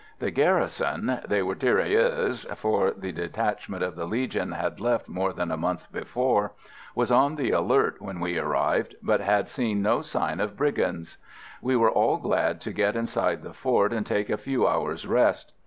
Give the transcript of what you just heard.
The garrison they were tirailleurs, for the detachment of the Legion had left more than a month before was on the alert when we arrived, but had seen no sign of brigands. We were all glad to get inside the fort and take a few hours' rest.